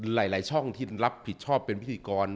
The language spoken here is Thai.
หลายช่องที่รับผิดชอบเป็นพิธีกร